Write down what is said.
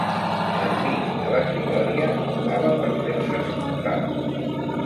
Enmig de la cridòria maldava per fer-se escoltar.